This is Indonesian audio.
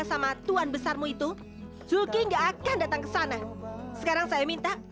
sampai jumpa di video selanjutnya